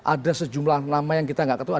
ada sejumlah nama yang kita gak ketahuan